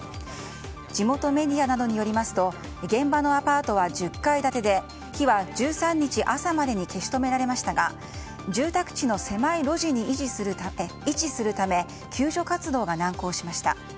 地元メディアなどによりますと現場のアパートは１０階建てで火は１３日朝までに消し止められましたが住宅地の狭い路地に位置するため救助活動が難航しました。